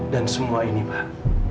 dan semua ini pak